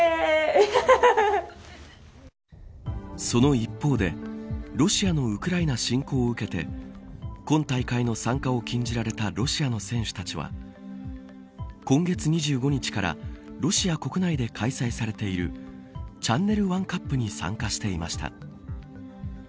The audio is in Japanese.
その一方でロシアのウクライナ侵攻を受けて今大会の参加を禁じられたロシアの選手たちは今月２５日からロシア国内で開催されているチャンネルワンカップに参加していました。